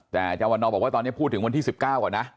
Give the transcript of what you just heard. แต่อาจารย์วันนอบอกว่าตอนนี้พูดถึงวันที่๑๙ก่อนนะ